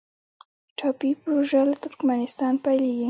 ټاپي پروژه له ترکمنستان پیلیږي